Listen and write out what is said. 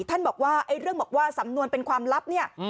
ท่านบอกว่าไอ้เรื่องบอกว่าสำนวนเป็นความลับเนี่ย